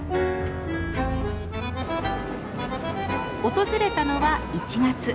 訪れたのは１月。